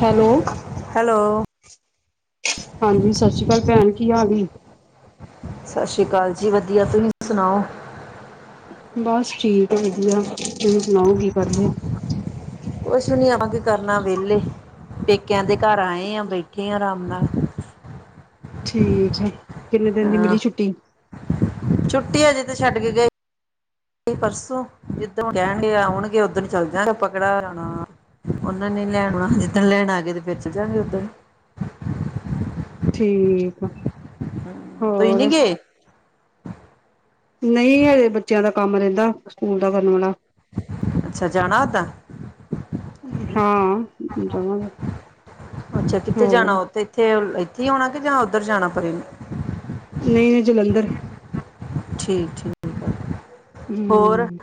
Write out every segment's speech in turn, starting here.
Hello! Hello ਹਾਂਜੀ। ਸਤਿ ਸ੍ਰੀ ਅਕਾਲ, ਭੈਣ ਕੀ ਹਾਲ ਏ? ਸਤਿ ਸ਼੍ਰੀ ਅਕਾਲ ਜੀ ਵਧੀਆ ਤੁਸੀਂ ਸੁਣਾਓ ਬਸ ਠੀਕ ਵਧੀਆ ਤੁਸੀਂ ਸੁਣਾਓ ਕੀ ਕਰਦੇ? ਕੁਛ ਵੀ ਨੀ ਆਵਾਂ ਕਿ ਕਰਨਾ ਵਿਹਲੇ ਪੇਕਿਆਂ ਦੇ ਘਰ ਆਏ ਆ ਬੈਠੇ ਆ ਆਰਾਮ ਨਾਲ ਠੀਕ ਹੈ। ਕਿੰਨੇ ਦਿਨ ਦੀ ਮਿਲੀ ਛੁੱਟੀ ਛੁਟੀ ਆ ਜੇ ਤੇ ਛੱਡ ਕੇ ਗਏ ਪਰਸੋਂ ਜਿੱਦਣ ਕਹਿਣਗੇ ਆਉਣਗੇ ਉਹਦਣ ਚੱਲ ਜਾਗੇ ਪਕੜਾ ਹੋਣਾ ਉਹਨਾਂ ਨੇ ਲੈਣ ਆਣਾ ਜਿੱਦਣ ਲੈਣ ਆ ਗਏ ਤੇ ਫਿਰ ਚੱਲ ਜਾਗੇ ਉਧਰ ਠੀਕ ਆ। ਤੁੂੰ ਹੀ ਨੀ ਹੋਰ ਗਏ। ਨਹੀਂ ਹਜੇ ਬੱਚਿਆਂ ਦਾ ਕੰਮ ਰਹਿੰਦਾ ਸਕੂਲ ਦਾ ਕਰਨ ਵਾਲਾ ਅੱਛਾ ਜਾਣਾ ਉਦਾਂ ਹਾਂ ਜਾਵਾਂਗੇ ਅੱਛਾ ਕਿੱਥੇ ਹੋਰ ਜਾਣਾ ਉਥੇ ਇੱਥੇ ਕੀ ਹੋਣਾ ਕਿ ਜਾਂ ਉੱਧਰ ਜਾਣਾ ਪਵੇ। ਨਹੀਂ ਨਹੀਂ ਜਲੰਧਰ ਠੀਕ ਠੀਕ ਹੋਰ ਹੂੰ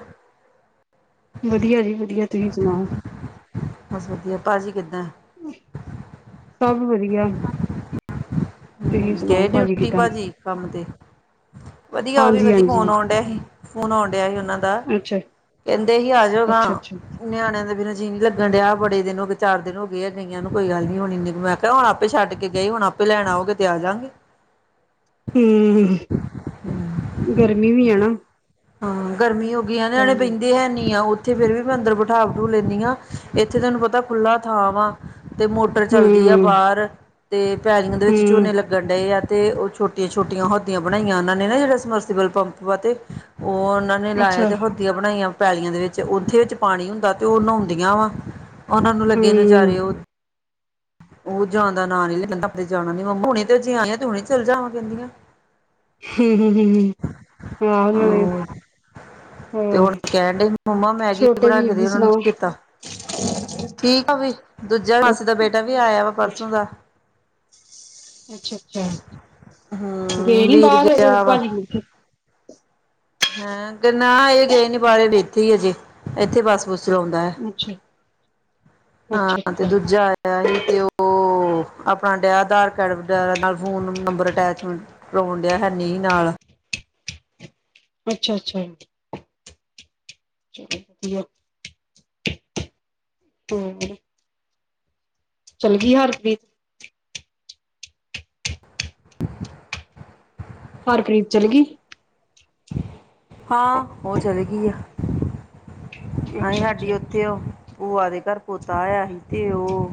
ਵਧੀਆ ਜੀ ਵਧੀਆ ਤੁਸੀਂ ਸੁਣਾਓ। ਬਸ ਵਧੀਆ ਭਾਜੀ ਕਿੱਦਾਂ ਹੈ। ਸਭ ਵਧੀਆ ਨੇ ਗਏ ਡਿਊਟੀ ਭਾਜੀ ਕੰਮ ਤੇ, ਵਧੀਆ ਉਹ ਵੀ ਹਾਂਜੀ ਵਧੀਆ ਫੋਨ ਹਾਂਜੀ ਆਣ ਡ ਏ ਹੀ। ਫੋਨ ਆਉਣ ਡਿਆ ਉਹਨਾਂ ਦਾ ਅੱਛਾ ਕਹਿੰਦੇ ਹੀ ਆਜਾਗਾ ਅੱਛਾ ਅੱਛਾ ਨਿਆਣਿਆਂ ਦੇ ਮੇਰਾ ਜੀ ਨਹੀਂ ਲੱਗਣ ਡਿਆ ਬੜੇ ਦਿਨ ਹੋਏ ਚਾਰ ਦਿਨ ਹੋ ਗਏ ਆ ਗਈਆਂ ਨੂੰ ਕੋਈ ਗੱਲ ਨੀ ਮੈਂ ਕਿਹਾ ਹੁਣ ਆਪੇ ਛੱਡ ਗਈ ਹੁਣ ਆਪੇ ਲੈਣ ਆਓਗੇ ਤੇ ਆ ਜਾਗੇ। ਹੂੰ ਗਰਮੀ ਵੀ ਆ ਨਾ। ਹਾਂ ਗਰਮੀ ਹੋ ਗਈ ਆ ਤਾਂ ਨਿਆਣੇ ਬਹਿੰਦੇ ਨਹੀਂ ਆ ਇੱਥੇ ਫੇਰ ਵੀ ਮੈਂ ਅੰਦਰ ਬਿਠਾ ਬਠਾ ਲੈਂਣੀ ਹਾਂ ਇੱਥੇ ਤੈਨੂੰ ਪਤਾ ਖੁੱਲਾ ਥਾਂ ਵਾ ਤੇ ਮੋਟਰ ਚੱਲਦੀ ਆ ਹੂੰ ਬਾਹਰ ਤੇ ਪੈਲਗ ਦੇ ਵਿੱਚ ਹੂੰ, ਝੋਨੇ ਲੱਗਣ ਡਏ ਆ ਤੇ ਉਹ ਛੋਟੀਆਂ ਛੋਟੀਆਂ ਹੋਦੀਆਂ ਬਣਾਈਆਂ ਉਹਨਾਂ ਨੇ ਨਾ ਜਿਹੜਾ ਸਮਰਸੀਬਲ ਪੰਪ ਵਾ ਤੇ ਉਹ ਉਹਨਾਂ ਨੇ ਲਾਇਆ ਅੱਛਾ ਤੇ ਹੋਦੀਆਂ ਬਣਾਈਆਂ ਪੈਲੀਆਂ ਦੇ ਵਿੱਚ ਓਥੇ ਵਿੱਚ ਪਾਣੀ ਹੁੰਦਾ ਤੇ ਉਹ ਨਹੋਉਂਦੀਆਂ ਵਾ ਉਹ ਨੂੰ ਹੂੰ, ਲੱਗੇ ਹੂੰ, ਨਜ਼ਾਰੇ ਉਹ ਉਹ ਜਾਂਦਾ ਨਾਂ ਨੀ ਲੈ ਜਾਣਾ ਨੀ ਲੈਂਦੀ ਤੇ ਹੁਣੇ ਤੇ ਇੱਥੇ ਆਈਆਂ ਤੇ ਹੁਣੇ ਚੱਲ ਜਾਵਾਂ ਹਮ ਹਮ ਹਮ ਹਮ ਹਮ ਤੇ ਹੁਣ ਕਹਿਣ ਡ ਮੰਮਾ ਮੈਗੀ ਛੋਟੇ ਬਣਾ ਵੀਰ ਕੇ ਦੇ ਦੀ ਉਹਨਾ ਨੂੰ ਸੁਣਾਓ? ਚੇਤਾ ਠੀਕ ਆ ਵੀ ਦੂਜਾ ਮਾਸੀ ਦਾ ਅੱਛਾ, ਬੇਟਾ ਵੀ ਆਇਆ ਵਾ ਪਰਸੋਂ ਦਾ ਅੱਛਾ ਅੱਛਾ ਗਏ ਹੂੰ ਨੀ ਵੀਰ ਬਾਹਰ ਗਿਆ ਭਾਲਥੇ- ਹ ਨਾ ਇਹ ਗਏ ਨੀ ਬਾਰੇ ਇਥੇ ਹੀਜੇ ਇੱਥੇ ਬੱਸ ਬੱਸ ਚਲਾਉਂਦਾ ਹੈ ਅੱਛਾ, ਅੱਛਾ, ਹਾਂ ਤੇ ਅੱਛਾ, ਦੂਜਾ ਆਇਆ ਸੀ ਤੇ ਉਹ ਆਪਣਾ ਡਿਆ ਆਧਾਰ ਕਾਰਡ ਵੈਰਾ ਨਾਲ ਫੋਨ ਨੰਬਰ ਅਟੈਚ ਲਾਉਣ ਡਿਆ ਹੈਨੀ ਨੀ ਨਾਲ- ਅੱਛਾ ਅੱਛਾੀ ਹਮ ਚੱਲ ਗਈ ਹਰਪ੍ਰੀਤ ਹਰਪ੍ਰੀਤ ਚੱਲ ਗਈ- ਹਾਂ ਉਹ ਚੱਲ ਗਈ ਆ ਆਹੀ ਅੱਛਾ, ਅੱਛਾ ਸਾਡੀ ਉੱਥੇ ਉਹ ਆਦੇ ਘਰ ਪੋਤਾ ਆਇਆ ਸੀ ਤੇ ਉਹ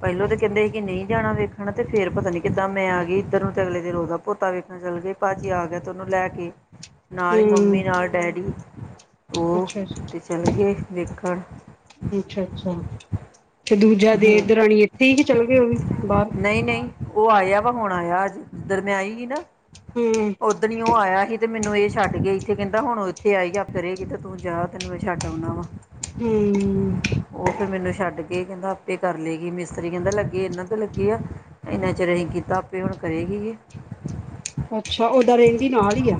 ਪਹਿਲੋਂ ਤੇ ਕਹਿੰਦੇ ਸੀ ਕਿ ਨਹੀਂ ਜਾਣਾ ਵੇਖਣ ਤੇ ਫੇਰ ਪਤਾ ਨੀ ਕਿੱਦਾਂ ਮੈਂ ਆ ਗਈ ਇੱਧਰ ਨੂੰ ਤੇ ਅਗਲੇ ਦਿਨ ਉਹਦਾ ਪੋਤਾ ਵੇਖਣ ਚੱਲ ਗਏ ਭਾਜੀ ਆ ਗਿਆ ਤੇ ਉਹਨੂੰ ਲੈ ਕੇ ਨਾਲ ਹੀ ਹੂੰ, ਮੰਮੀ ਨਾਲ ਡੈਡੀ ਅੱਛਾ ਅੱਛਾ ਜਲਗੇ ਦੇਖਣ ਅੱਛਾ, ਅੱਛਾ ਤੇ ਦੂਜਾ ਦੇ ਰਾਣੀ ਇੱਥੇ ਹੀ ਜਾ ਚੱਲ ਗਏ ਉਹ ਵੀ ਬਾਹਰ ਨਹੀਂ ਨਹੀਂ ਉਹ ਆਇਆ ਵਾ ਹੁਣ ਆਇਆ ਅਜ ਦਰਮਿਆਈ ਹੀ ਨਾ ਹੂੰ, ਓਦਨੀ ਹੀ ਓਹ ਆਇਆ ਸੀ ਤੇ ਮੈਨੂੰ ਇਹ ਛੱਡਏ ਇੱਥੇ ਕਹਿੰਦਾ ਹੁਣ ਇੱਥੇ ਆਈ ਜਾ ਫਿਰ ਇਹ ਕਿਤੇ ਤੂੰ ਜਾ ਤੈਨੂੰ ਛੱਡ ਆਣਾ ਵਾ ਹਮ- ਉਹ ਫਿਰ ਮੈਨੂੰ ਛੱਡ ਕੇ ਕਹਿੰਦਾ ਆਪੇ ਕਰ ਲਏਗੀ ਮਿਸਤਰੀ ਕਹਿੰਦਾ ਲੱਗੇ ਇਹਨਾਂ ਤਾਂ ਲੱਗੇ ਆ ਇੰਨਾ ਚਿਰ ਅਸੀਂ ਕੀਤਾ ਆਪੇ ਹੁਣ ਕਰੇਗੀ ਇਹ ਅੱਛਾ ਉਹਦਾ ਰਹਰਿੰ ਦੀ ਨਾਲ ਹੀ ਆ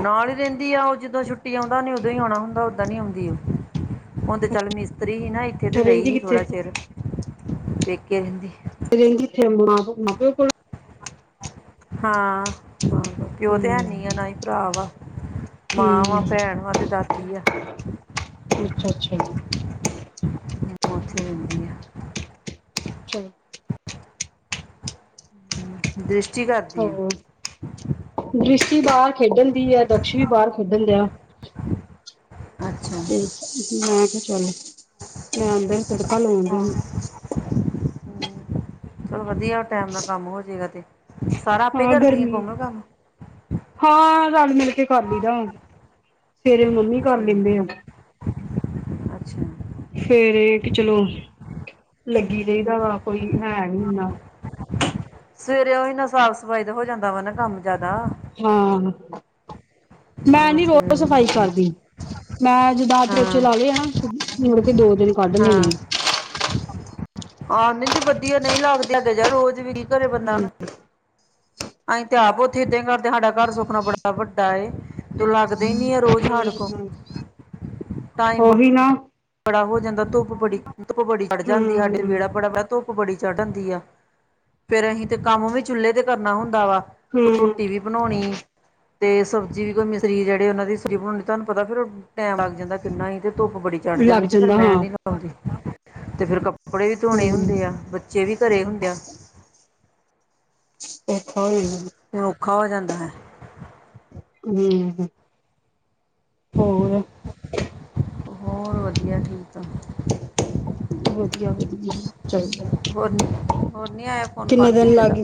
ਨਾਲ ਹੀ ਰਹਿੰਦੀ ਆ ਉਹ ਜਦੋਂ ਛੁੱਟੀ ਆਉਂਦਾ ਉਹ ਉਦੋਂ ਹੀ ਆਉਣਾ ਹੁੰਦਾ ਓਦਾਂ ਨੀ ਆਉਂਦੀ ਆ ਹੁਣ ਤੇ ਚੱਲ ਮਿਸਤਰੀ ਰਹੀ ਨਾ ਇੱਥੇ ਅੱਛਾ ਤੇ ਰਈ ਰਹਿੰਦੀ ਸੀ ਥੋੜਾ ਚਿਰ ਇੱਕ [inaudible] ਰੰਗੀ ਥੇ [inaudible] ਮ ਪ ਕੋ [inaudible] ਹਾਂ- ਹਾਂ ਪਿਓ ਤੇ ਹੂੰ ਹੈਨੀ ਆ ਨਾ ਹੀ ਭਰਾ ਵਾ ਹੂੰ ਮਾਂ ਵਾ ਭੈਣ ਵਾ ਤੇ ਦਾਦੀ ਆ ਅੱਛਾ ਅੱਛਾ ਜਮ ਉੱਥੇ ਰਹਿੰਦੀ ਆ ਚਲੋ- ਦੁਸ਼ਟ ਹਾਂ ਦ੍ਰਿਸ਼ਟੀ ਬਾਹਰ ਖੇਡਣ ਦੀ ਆ ਦਕਸ਼ ਵੀ ਬਾਹਰ ਖੇਡਣ ਦੇ ਆ ਅੱਛਾ ਤੇ ਮੈਂ ਕਿਹਾ [inaudible] [inaudible] ਮੈ ਅੰਦਰ ਤੜਕਾ ਲਉਣ ਦੀ ਹਮ ਚਲੋ ਵਧੀਆ ਟੈਮ ਨਾਲ ਕੰਮ ਹੋ ਜਾਏਗਾ ਤੇ ਸਾਰਾ ਆਪੇ ਹਾਂ ਕਰਦੀ ਆ ਗਰਮੀ ਕੋਮਲ ਕੰਮ ਹਾਂ ਰਲ ਮਿਲ ਕੇ ਕਰ ਲਈਦਾ ਸਵੇਰੇ ਮੰਮੀ ਕਰ ਲੈਂਦੇ ਆ ਅੱਛਾ ਫਿਰ ਇਹ ਕਿ ਚਲੋ ਲੱਗੀ ਰਹਹੀਦਾ ਵਾ ਕੋਈ ਹੈ ਨੀ ਇਨਾ ਸਵੇਰੇ ਉਹੀ ਨਾ ਸਾਫ਼ ਸਫਾਈ ਦਾ ਹੋ ਜਾਂਦਾ ਵਾ ਨਾ ਕੰਮ ਜ਼ਿਆਦਾ ਹਾਂ ਮੈਂ ਹਾਂ ਨੀ ਸਵੇਰੇ ਰੋਜ਼ ਸਫ਼ਾਈ ਹੁੰਦਾ ਕਰਦੀ ਮੈਂ ਜਿਦ ਚੋਚੇ ਹਾਂ ਲਾ ਲਏ ਆ ਨਾ ਮੁੜ ਕੇ ਦੋ ਦਿਨ ਕੱਢ ਲੈਣੇ ਆ ਨਿੰਦੀ ਵਧੀਆ ਨਹੀਂ ਲੱਗਦੇ ਅਗੇ ਜ ਰੋਜ਼ ਵੀ ਘਰੇ ਬੰਦਾ ਹੂੰ ਨਾ ਅਸੀਂ ਤੇ ਆਪ ਉੱਥੇ ਏਦਾਂ ਕਰਦੇ ਸਾਡਾ ਘਰ ਸੁਖਨਾ ਬੜਾ ਵੱਡਾ ਏ ਤੂੰ ਲੱਗਦਾ ਹੀ ਨੀ ਠ ਰੋਜ਼ ਹਾਡੇ ਕੋਲ ਹਮ ਟਾਈਮ ਉਹੀ ਨਾ ਬੜਾ ਹੋ ਜਾਂਦਾ ਧੁੱਪ ਬੜੀ ਧੁੱਪ ਬੜੀ ਹੜ ਜਾਂਦੀ ਸਾਡੇ ਹੂੰ। ਵਿਹੜਾ ਬੜਾ ਵ ਬੜੀ ਚੜ ਹਦੀ ਆ ਫਿਰ ਅਸੀਂ ਤੇ ਕੰਮ ਵੀ ਚੁੱਲੇ ਤੇ ਕਰਨਾ ਹੁੰਦਾ ਵਾ ਹੂੰ, ਰੋਟੀ ਵੀ ਬਣਾਉਣੀ ਤੇ ਸਬਜ਼ੀ ਵੀ ਕੋਈ ਮਿਸਰੀ ਜਿਹੜੇ ਉਹਨਾਂ ਦੀ ਸਰੀ ਬਣਾਉਂਦੀ ਤੁਹਾਨੂੰ ਪਤਾ ਫਿਰ ਟੈਮ ਲੱਗ ਜਾਂਦਾ ਕਿੰਨਾ ਹੀ ਤੇ ਧੁੱਪ ਬੜੀ ਲੜ ਲੱਗ ਜਾਂਦੀ ਸੀ ਫਿਰ ਜਾਂਦਾ ਹਾਂ ਮੈਂ ਨੀ ਲਾਉਂਦੀ ਤੇ ਫਿਰ ਕੱਪ ਕੜੇ ਵੀ ਧੋਣੇ ਹੂੰ, ਹੁੰਦੇ ਆ ਬੱਚੇ ਵੀ ਘਰੇ ਹੁੰਦੇ ਆ [inaudible] ਹੋ ਜਾਂਦਾ। ਔਖਾ ਹੋ ਜਾਂਦਾ ਹੈ ਹਮ ਹੋਰ ਹੋਰ ਵਧੀਆ ਠੀਕ ਆ ਵਧੀਆ ਵਧੀਆ ਚਾਹੀਦਾ ਹੋਰ ਨੀ ਹੋਰ ਨੀ ਆਇਆ ਫੋਨ ਕਿੰਨੇ ਫਾਨ ਦਿਨ ਕਿਸੇ ਲੱਗ ਦਾ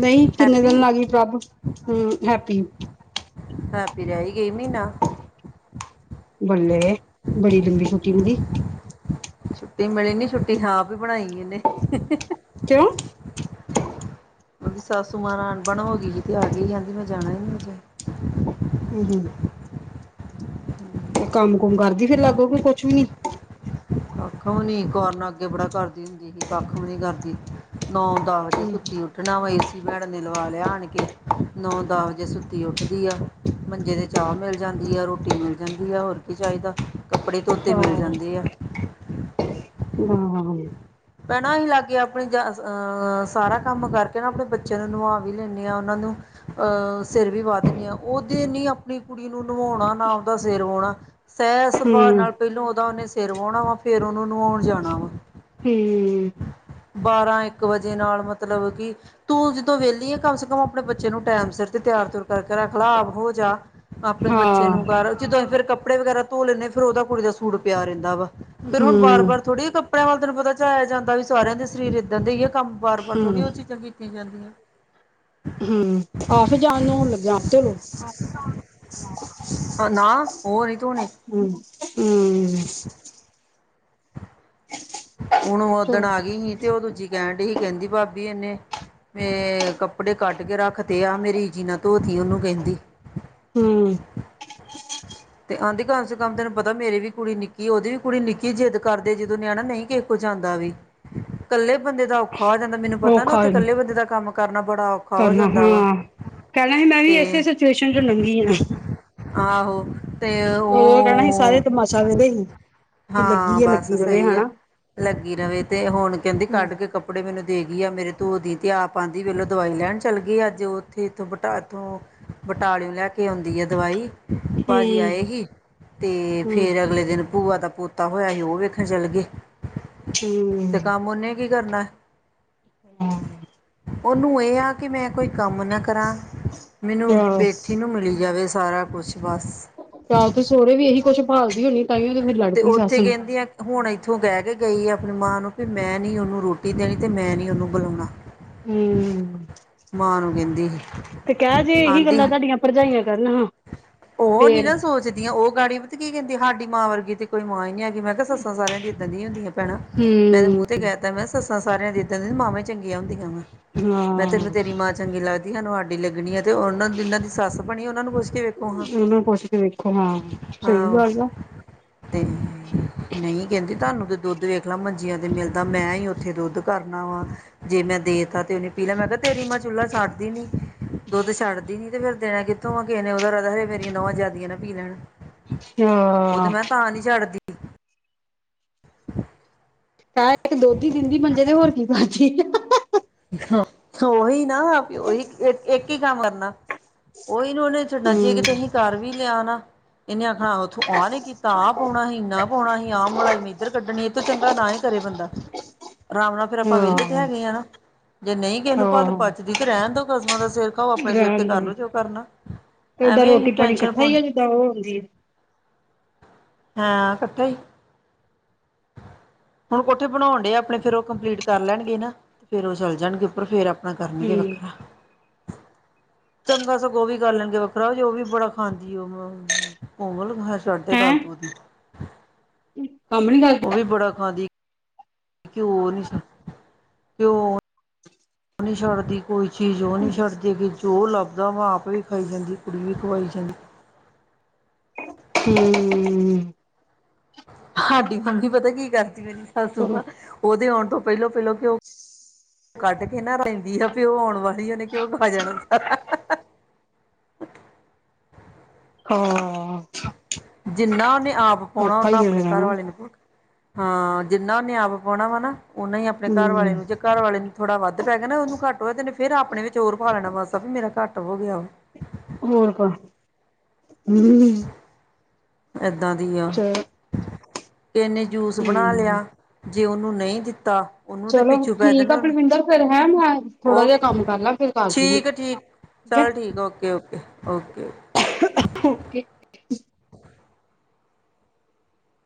ਨਹੀਂ ਕਿੰਨੇ ਹੈਪੀ ਦਿਨ ਲੱਗ ਗਈ ਪ੍ਰਭ ਹਮ ਹੈਪੀ ਹੈਪੀ ਰਹਿ ਹੀ ਗਈ ਮਹੀਨਾ ਬੱਲੇ ਬੜੀ ਲੰਬੀ ਛੁਟੀ ਹੁੰਦੀ ਛੁੱਟੀ ਮਿਲੀ ਨੀ ਛੁੱਟੀ ਆਪ ਹੀ ਬਣਾਈ ਇਹਨੇ ਕਿਉਂ ਸਸੂ ਨਾਲ ਅਣ ਬਣ ਹੋ ਗਈ ਕਹਿੰਦੀ ਅੱਜ ਨੀ ਜਾਂਦੀ ਮੈਂ ਜਾਣਾ ਹੀ ਨਈ ਅਜੇ ਹੂੰ-ਹੂੰ। ਤੇ ਕੰਮ ਕੁਮ ਕਰਦੀ ਫੇਰ ਲਾਗ ਹੋ ਕੇ ਕੁਛ ਵੀ ਨੀ ਕੱਖ ਵੀ ਨੀ ਕੋਨ ਅੱਗੇ ਬੜਾ ਕਰਦੀ ਹੁੰਦੀ ਸੀ ਕੱਖ ਵੀ ਨੀ ਕਰਦੀ ਨੌ ਦਸ ਵਜੇ ਹੂੰ ਸੁੱਤੀ ਉੱਠਣਾ ਵ ਏ ਭੈਣ ਨੇ ਲਵਾ ਲਿਆ ਆਣ ਕੇ ਨੌ ਦਸ ਵਜੇ ਸੁੱਤੀ ਉੱਠਦੀ ਆ ਮੰਜੇ ਤੇ ਚਾਹ ਮਿਲ ਜਾਂਦੀ ਆ ਰੋਟੀ ਮਿਲ ਜਾਂਦੀ ਆ ਹੋਰ ਕੀ ਚਾਹੀਦਾ ਕੱਪੜੇ ਧੋਤੇ ਮਿਲ ਹਾਂ। ਜਾਂਦੇ ਆ ਹਾਂ ਭੈਣਾ ਅਸੀਂ ਲਾਗੇ ਆਪਣੇ ਅਹ ਸਾਰਾ ਕੰਮ ਕਰਕੇ ਨਾ ਆਪਣੇ ਬੱਚਿਆਂ ਨੂੰ ਨਵਾ ਵੀ ਲੈਂਦੇ ਹਾਂ ਉਹਨਾਂ ਨੂੰ ਅਹ ਸਿਰ ਵੀ ਵਾਹ ਦਿੰਦੀ ਹਾਂ ਉਹ ਦਿਨ ਹੀ ਆਪਣੀ ਕੁੜੀ ਨੂੰ ਨਵਾਉਣਾ ਨਾ ਉਹਦਾ ਸਿਰ ਵੋਉਣਾ। ਇਹ ਸੁਭਾਅ ਹੂੰ, ਨਾਲ ਪਹਿਲੋਂ ਉਦ ਉਹਨੇ ਸਿਰ ਵਣਾ ਵਾ ਫੇਰ ਉਹਨੂੰ ਨਵਾਉਣ ਜਾਣਾ ਵਾ। ਹੂੰ, ਬਾਰਾਂ ਇੱਕ ਵਜੇ ਨਾਲ ਮਤਲਬ ਕਿ ਤੂੰ ਜਦੋਂ ਵਿਹਲੀ ਆ ਕਮ ਸੇ ਕਮ ਆਪਣੇ ਬੱਚੇ ਨੂੰ ਟੈਮ ਸਿਰ ਤੇ ਤਿਆਰ ਤਰ ਕਰਕੇ ਰੱਖ ਲਾ ਆਪ ਹੋ ਜਾ। ਆਪਣੇ ਬੱਚੇ ਹਾਂ, ਨੂੰ ਕਰ। ਜਦੋਂ ਫਰ ਕੱਪੜੇ ਵਗੈਰਾ ਧੋ ਲੈਂਦੇ ਫਿਰ ਉਹ ਕੁੜੀ ਦਾ ਸੂਟ ਪਿਆ ਰਹਿੰਦਾ ਵਾ। ਫਿਰ ਹੁਣ ਬਾਰ ਹੂੰ, ਬਾਰ ਥੋੜ੍ਹੀ ਕੱਪੜੇ ਆਪ ਤੈਨੂੰ ਪਤਾ ਚਲ ਜਾਂਦਾ ਜਾਂਦਾ ਵੀ ਸਾਰਿਆਂ ਦੇ ਸਰੀਰ ਇੱਦਾਂ ਦੇ ਹੀ ਕੰਮ ਬਾਰ ਬਾਰ ਥੋੜੀ ਉਹ ਚੀਜ਼ ਚੰਗੀ ਕੀ ਕਰਨੀਆ ਹੂ ਆਫਿਸ ਜਾਣ ਨੂੰ ਹੋਣ ਲੱਗਿਆ ਨਾ ਉਹ ਨਹੀਂ ਧੋਣੇ ਹਮ। ਹਮ। ਹੁਣ ਓਦਣ ਚਲੋ ਆ ਗਈ ਸੀ ਤੇ ਉਹ ਦੂਜੀ ਕਹਿਣ ਡ ਸੀ ਕਹਿੰਦੀ ਭਾਬੀ ਇਹਨੇ ਮੈਂ ਕੱਪੜੇ ਕੱਢ ਕੇ ਰੱਖ ਤੇ ਆ ਮੇਰੀ ਜੀ ਨਾ ਧੋਤੀ ਉਹਨੂੰ ਕਹਿੰਦੀ। ਹਮ। ਤੇ ਆਹਂਦੀ ਕਮ ਸੇ ਕਮ ਤੈਨੂੰ ਪਤਾ ਮੇਰੀ ਵੀ ਕੁੜੀ ਨਿੱਕੀ ਉਹਦੀ ਵੀ ਕੁੜੀ ਨਿੱਕੀ ਜਿੱਦ ਕਰਦੇ ਜਦੋਂ ਨਿਆਣਾ ਨਹੀਂ ਕਿਸੇ ਕੁ ਚ ਆਉਂਦਾ ਵੀ ਕੱਲੇ ਬੰਦੇ ਦਾ ਔਖਾ ਹੋ ਜਾਂਦਾ। ਮੈਨੂੰ ਪਤਾ ਨਾ ਔਖਾ ਉੱਥੇ ਇਕੱਲੇ ਬੰਦੇ ਦਾ ਕੰਮ ਕਰਨਾ ਬੜਾ ਔਖਾ ਹੋ ਕਰਨਾ ਜਾਂਦਾ ਵਾ ਹਾਂ ਕਹਿਣਾ ਸੀ ਮੈਂ ਵੀ ਤੇ ਇਸੇ ਸਿਚੁਏਸ਼ਨ ਚ ਲੰਘੀ ਹਾਂ। ਆਹੋ ਤੇ ਉਹ ਵੇਦੇ ਸੀ ਕਿ ਹਾਂ ਲੱਗੀ ਆ ਬਸ ਲੱਗੀ ਰਵੇ ਸਹੀ ਆ ਹਨਾ ਲੱਗੀ ਰਵੇ ਤੇ ਹੁਣ ਕਹਿੰਦੀ ਹਮ ਕੱਢ ਕੇ ਕੱਪੜੇ ਮੈਨੂੰ ਦੇ ਗਈ ਆ ਮੇਰੇ ਧੂੰ ਦੀ ਤੇ ਆਪ ਆਉਂਦੀ ਵੇਲੋ ਦਵਾਈ ਲੈਣ ਚੱਲ ਗਈ ਅੱਜ ਉੱਥੇ ਇਥੋਂ ਬਟਾ ਇੱਥੋਂ ਬਟਾਲਿਓ ਲੈ ਕੇ ਆਉਂਦੀ ਹੈ ਦਵਾਈ। ਭਾ ਜੀ ਹਮ ਆਏ ਸੀ ਅਤੇ ਹਮ ਫਿਰ ਅਗਲੇ ਦਿਨ ਭੂਆ ਦਾ ਪੋਤਾ ਹੋਇਆ ਸੀ ਉਹ ਵੇਖਣ ਚੱਲ ਗਏ। ਤੇ ਹਮ। ਕੰਮ ਉਹਨੇ ਕੀ ਕਰਨਾ। ਹਮ। ਉਹਨੂੰ ਇਹ ਆ ਕਿ ਮੈਂ ਕੋਈ ਕੰਮ ਨਾ ਕਰਾਂ ਮੈਨੂੰ ਚਲੋ ਬੈਠੀ ਨੂੰ ਮਿਲੀ ਜਾਵੇ। ਸਾਰਾ ਕੁਛ ਬਸ। ਤਾਂ ਉਥੇ ਸੋਹਰੇ ਵੀ ਇਹੀ ਕੁੱਛ ਭਾਲਦੀ ਹੋਣੀ ਤਾਂਹੀਓ ਤੇ ਫੇਰ ਲੜਪੀ ਸੱਸ ਉੱਥੇ ਨੂੰ। ਕਹਿੰਦੀ ਆ ਹੁਣ ਇੱਥੋਂ ਕਹਿ ਕੇ ਗਈ ਆ ਆਪਣੀ ਮਾਂ ਨੂੰ ਵੀ ਮੈਂ ਨੀ ਉਹਨੂੰ ਰੋਟੀ ਦੇਣੀ ਤੇ ਮੈਂ ਨੀ ਉਹਨੂੰ ਬੁਲਾਉਣਾ। ਹਮ ਮਾਂ ਨੂੰ ਕਹਿੰਦੀ। ਸੀ ਤੇ ਕਹਿ ਜੇ ਇਹੀ ਆਂਦੀ ਗੱਲਾਂ ਤੁਹਾਡੀਆਂ ਭਰਜਾਈਆਂ ਕਰਨ ਉਹ ਨੀ ਫੇਰ। ਨਾ ਸੋਚਦੀਆਂ ਉਹ ਗਾੜੀ ਪਤਾ ਕੀ ਕਹਿੰਦੀ ਸਾਡੀ ਮਾਂ ਵਰਗੀ ਤੇ ਕੋਈ ਮਾਂ ਹੀ ਨੀ ਹੈਗੀ ਮੈਂ ਕਿਹਾ ਸੱਸਾਂ ਸਾਰਿਆਂ ਦੀ ਏਦਾਂ ਦੀਆਂ ਹੁੰਦੀਆਂ ਪੈਣਾ ਮੈਂ ਤੇ ਹਮ ਮੂੰਹ ਤੇ ਕਹਿ ਤਾ ਮੈਂ ਕਿਹਾ ਸੱਸ ਸਾਂ ਸਾਰਿਆਂ ਦੀ ਇਦਾਂ ਦੀ ਮਾਵਾਂ ਚੰਗੀਆਂ ਹੁੰਦੀਆਂ ਵਾ ਮੈਂ ਹਾਂ ਤੈਨੂੰ ਤੇਰੀ ਮਾਂ ਚੰਗੀ ਲੱਗਦੀ ਸਾਨੂੰ ਸਾਡੀ ਲੱਗਣੀ ਆ ਤੇ ਉਹਨਾਂ ਜਿਨਾਂ ਦੀ ਸੱਸ ਬਣੀ ਉਹਨਾਂ ਨੂੰ ਪੁੱਛ ਕੇ ਵੇਖੋ ਹਾਂ ਉਹਨੂੰ ਪੁੱਛ ਕੇ ਵੇਖੋ ਹਾਂ ਸਹੀ ਹਾਂ ਗੱਲ ਆ ਤਿੰਨ ਨਹੀਂ ਕਹਿੰਦੀ ਤੁਹਾਨੂੰ ਦੁੱਧ ਦੇਖ ਲਾ ਮੰਜੀਆਂ ਤੇ ਮਿਲਦਾ ਮੈਂ ਹੀ ਉੱਥੇ ਦੁੱਧ ਕਰਨਾ ਵਾ ਜੇ ਮੈਂ ਦੇਤਾ ਤੇ ਉਹਨੇ ਪੀ ਲੈ ਮੈਂ ਕਿਹਾ ਤੇਰੀ ਮਾਂ ਚੁੱਲਾ ਸੜਦੀ ਨਹੀਂ ਦੁੱਧ ਛੱਡਦੀ ਨਹੀਂ ਤੇ ਫਿਰ ਦੇਣਾ ਕਿਥੋਂ ਕਿਸੇ ਨੇ ਉਹਦਾ ਨਾ ਮੇਰੀ ਨੂੰਹਾਂ ਜਿਆਦੀਆਂ ਨਾ ਪੀ ਲੈਣ ਹਾਂ ਉਹ ਤੇ ਮੈਂ ਤਾਂ ਨੀ ਛੱਡਦੀ [inaudible] ਕਹਿ ਕੈ ਇੱਕ ਦੁੱਧ ਹੀ ਦਿੰਦੀ ਮੰਜੇ ਤੇ ਹੋਰ ਕੀ [unintelligible] ਓਹੀ ਨਾ ਓਹੀ ਇੱਕ ਇੱਕੀ ਕੰਮ ਕਰਨਾ ਓਹੀਓ ਨੀ ਓਹਨੇ ਛੱਡਣਾ ਜੇ ਹਮ ਕਿਤੇ ਅਸੀਂ ਕਰ ਵੀ ਲਿਆ ਨਾ ਇਹਨੇ ਆਖਣਾ ਤੂੰ ਆਹ ਨੀ ਕੀਤਾ ਆ ਪਾਉਣਾ ਸੀ ਇਨਾ ਪਾਉਣਾ ਸੀ ਆ ਮਲਾਈ ਇਧਰ ਕੱਢਣੀ ਇਹ ਤੋਂ ਚੰਗਾ ਨਾ ਹੀ ਘਰੇ ਬੰਦਾ ਆਰਾਮ ਨਾਲ ਫਿਰ ਆਪਾਂ ਵਿਹਲੇ ਤੇ ਹਾਂ ਹੈਗੇ ਆ ਨਾ ਜੇ ਨਹੀਂ ਕਿਸੇ ਨੂੰ ਭੱਲ ਹਾਂ ਪਚਦੀ ਤੇ ਰਹਿਣ ਦੋ ਕਸਮਾਂ ਦਾ ਸਿਰ ਖਾਓ ਆਪਣੇ ਸਿਰ ਤੇ ਰਹਿਣ ਦੋ ਕਰਲੋ ਜੋ ਕਰਨਾ। ਤੇ ਦਾਂ ਐਵੇਂ ਅਸੀਂ ਰੋਟੀ ਪਾਣੀ ਟੈਨਸ਼ਨ ਇਕੱਠਾ ਆ ਪਾਉਣੀ ਜਿਦਾਂ ਉਹ ਆਉਂਦੀ ਆ ਹਾਂ ਇਕੱਠਾ ਹੀ ਹੁਣ ਕੋਠੇ ਬਣਾਉਣ ਡੇ ਆਪਣੇ ਫੇਰ ਉਹ ਕੰਪਲੀਟ ਕਰ ਲੈਣਗੇ ਨਾ ਤੇ ਫੇਰ ਉਹ ਚੱਲ ਜਾਣਗੇ ਉੱਪਰ ਫੇਰ ਆਪਣਾ ਕਰਨਗੇ ਹੈ ਵੱਖਰਾ ਚੰਗਾ ਸਗੋਂ ਵੀ ਕਰ ਲੈਣਗੇ ਵੱਖਰਾ ਜੇ ਉਹ ਵੀ ਬੜਾ ਖਾਂਦੀ ਉਹ ਕੋਮਲ ਹਮ ਛੱਡਦੇ ਹੈਂ ਗੱਲ ਤੂੰ ਓਦੀ ਕੰਮ ਨੀ ਕਰਦੇ ਉਹ ਵੀ ਬੜਾ ਖਾਂਦੀ ਘਿਓ ਨਹੀਂ ਘਿਓ ਨੀ ਛੱਡਦੀ ਕੋਈ ਚੀਜ਼ ਉਹ ਨਹੀਂ ਛੱਡਦੀ ਕਿ ਜੋ ਲੱਭ [unintelligible] ਵੀ ਖਾਈ ਜਾਂਦੀ ਕੁੜੀ ਵੀ ਖਵਾਈ [inaudible] ਹਮ ਸਾਡੀ ਮੰਮੀ ਪਤਾ ਕੀ ਕਰਦੀ ਮੇਰੀ ਸੱਸੂ ਚਲੋ ਆ ਉਹਦੇ ਆਉਣ ਪਹਿਲੋਂ ਪਹਿਲ ਕਿਉਂ ਕੱਟ ਕੇ ਨਾ ਰਹਿੰਦੀ ਆ ਪ ਉਹ ਆਉਣ ਵਾਲੀ ਉਹਨੇ ਕਿ ਉਹ ਖਾ ਜਾਣਾ ਸਾਰ ਹਾਂ ਜਿੰਨਾ ਨੇ ਆਪ ਪਾਉਣਾ ਔਖਾ ਹੀ ਓਨਾ ਫਿਰ ਆਪਣੇ ਰਹਿਣਾ ਘਰਵੇ ਨੂੰ ਪੁੁਟ ਹਾਂ ਜਿੰਨਾ ਉਹਨੇ ਆਪ ਆਪ ਪਾਉਣਾ ਵਾ ਨਾ ਉਹਨਾ ਹੀ ਆਪਣੇ ਘਰ ਵਾਲੇ ਹਮ ਨੂੰ ਜੇ ਘਰ ਵਾਲੇ ਨੂੰ ਥੋੜਾ ਵੱਧ ਪੈ ਗਿਆ ਨਾ ਉਹਨੂੰ ਘੱਟ ਤਨ ਫ਼ਿਰ ਆਪਣੇ ਵੀ ਚੋਰ ਪਾ ਲੈਣਾ ਵਸ ਮੇਰਾ ਘੱਟ ਹੋ ਗਿਆ ਵਾ ਹੋਰ ਕ ਹ ਇਏਦਾਂ ਦੀ ਆ ਕਿਨੇ ਜੂਸ ਬਣਾ ਹਮ ਲਿਆ ਜੇ ਉਹਨੂੰ ਨਹੀਂ ਦਿੱਤਾ ਉਹਨੂੰ ਤੇ ਚਲੋ ਪਿੱਛੂ ਪੈ ਠੀਕ ਜਾਣੇ ਆ ਉਹਨੇ ਪਰਵਿੰਦਰ ਫੇਰ ਹੈ ਮੈਂ ਥੋੜਾ ਜਿਹਾ ਉਹ ਕੰਮ ਕਰ ਲ ਫਿਰ ਕਰਦੀ ਠੀਕ ਠੀਕ ਠੀਕ ਹੈ ਚੱਲ ਓਕੇ ਓਕੇ ਓਕੇ [inaudible]